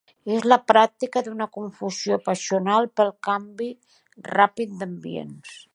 És la pràctica d'una confusió passional pel canvi ràpid d'ambients